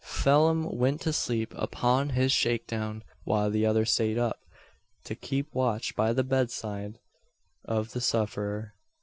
Phelim went to sleep upon his shake down; while the other sate up to keep watch by the bedside of the sufferer.